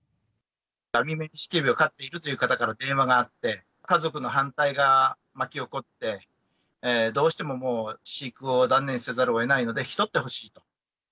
アミメニシキヘビを飼っているという方から電話があって、家族の反対が巻き起こって、どうしてももう、飼育を断念せざるをえないので、引き取ってほしいと。